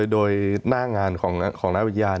โดยหน้างานของนักวิทยา